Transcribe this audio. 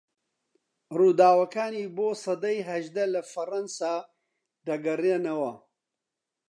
رووداوەکانی بۆ سەدەی هەژدە لە فەڕەنسا دەگەرێنەوە